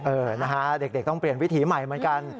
เออนะฮะเด็กต้องเปลี่ยนวิถีใหม่เหมือนกัน